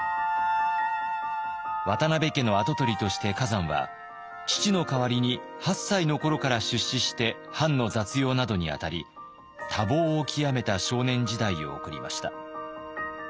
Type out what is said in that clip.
渡辺家の跡取りとして崋山は父の代わりに８歳の頃から出仕して藩の雑用などに当たり多忙を極めた少年時代を送りました。